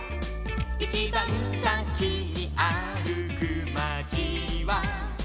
「いちばんさきにあるくまちは」